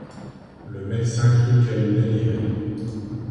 Le médecin crut qu’elle délirait.